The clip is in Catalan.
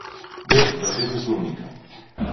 Bé, de fet, és l’única.